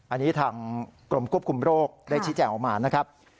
อันนี้ทางกรมควบคุมโรคได้ชี้แจงออกมานะครับ